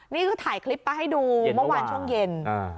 นี่ก็ถ่ายคลิปมาให้ดูเมื่อวานช่วงเย็น